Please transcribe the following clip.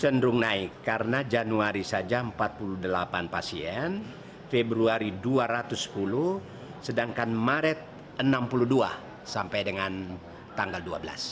cenderung naik karena januari saja empat puluh delapan pasien februari dua ratus sepuluh sedangkan maret enam puluh dua sampai dengan tanggal dua belas